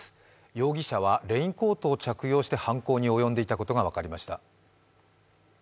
容疑者はレインコートを着用して犯行に及んでいたことが分かりました。